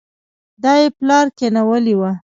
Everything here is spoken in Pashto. دا يې پلار کېنولې وه.